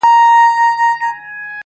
نظم لږ اوږد دی امید لرم چي وې لولی.